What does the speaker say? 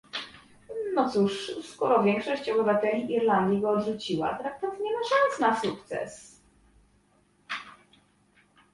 No cóż, skoro większość obywateli Irlandii go odrzuciła, traktat nie ma szans na sukces